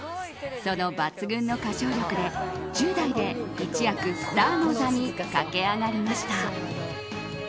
その抜群の歌唱力で１０代で一躍スターの座に駆け上がりました。